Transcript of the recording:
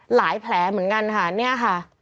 แผลเหมือนกันค่ะเนี่ยค่ะ